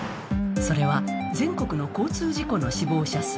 それは全国の交通事故の死亡者数。